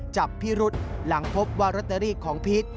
จับพิรุษหลังพบว่าลอตเตอรี่ของพีช